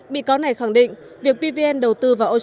bị cáo này khẳng định việc pvn đầu tư vào ocean bank